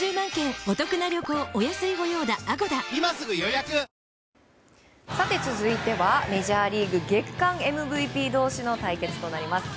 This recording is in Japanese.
絶好調あぁ続いてはメジャーリーグ月間ＭＶＰ同士の対決となります。